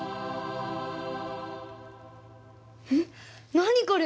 何これ？